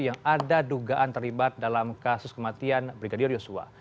yang ada dugaan terlibat dalam kasus kematian brigadir yosua